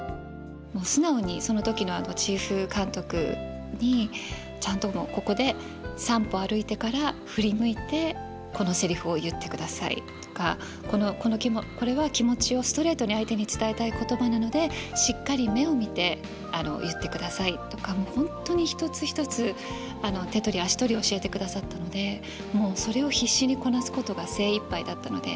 もう素直にその時のチーフ監督にちゃんともう「ここで３歩歩いてから振り向いてこのセリフを言ってください」とか「これは気持ちをストレートに相手に伝えたい言葉なのでしっかり目を見て言ってください」とかもう本当に一つ一つ手取り足取り教えてくださったのでもうそれを必死にこなすことが精いっぱいだったので。